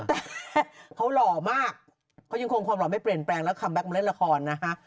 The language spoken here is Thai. แต่เขาหล่อมากเขายังคงความหล่อไม่เปลี่ยนแปลงแล้วคัมแก๊กมาเล่นละครนะฮะ